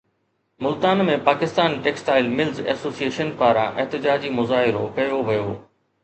Multan ۾ Pakistan textile mills association پاران احتجاجي مظاهرو ڪيو ويو